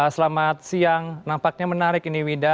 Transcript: selamat siang nampaknya menarik ini wida